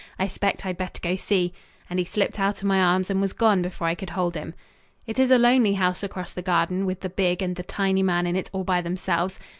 I 'spect I had better go see," and he slipped out of my arms and was gone before I could hold him. It is a lonely house across the garden with the big and the tiny man in it all by themselves!